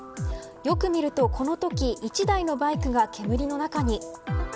よく見るとこのとき１台のバイクが煙の中に。